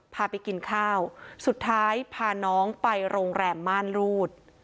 พาไปกินข้าวสุดท้ายพาน้องไปโรงแรมม่านรูด